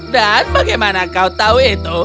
dan bagaimana kau tahu itu